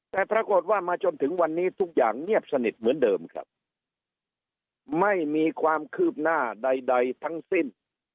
แต่ปรากฏว่ามาจนถึงวันนี้ทุกอย่างเงียบสนิทเหมือนเดิมครับไม่มีความคืบหน้าใดทั้งสิ้น